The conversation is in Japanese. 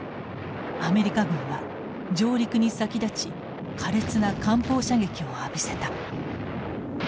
アメリカ軍は上陸に先立ち苛烈な艦砲射撃を浴びせた。